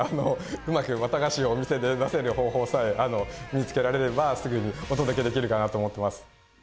うまく綿菓子をお店で出せる方法さえ見つけられればすぐにお届けできるかなと思ってます。